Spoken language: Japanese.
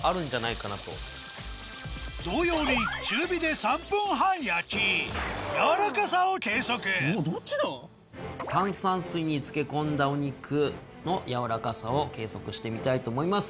同様にやわらかさを計測炭酸水に漬け込んだお肉のやわらかさを計測してみたいと思います。